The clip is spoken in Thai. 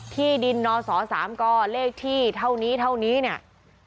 ที่ดินนศ๓กเลขที่เท่านี้เท่านี้เนี่ย